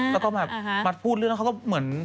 แล้วก็แบบมาพูดเรื่องนั้นเขาก็เหมือน